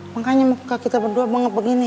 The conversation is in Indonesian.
makanya kita berdua banget begini